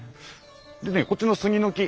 でねこっちの杉の木。